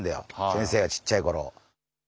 先生がちっちゃいころ。